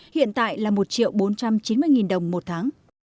hiện tại là một triệu bốn trăm chín mươi đồng một tháng